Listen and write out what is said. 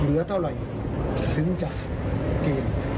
เหลือเท่าไรถึงจากแกน